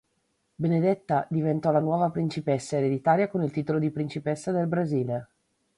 Benedetta diventò la nuova principessa ereditaria con il titolo di Principessa del Brasile.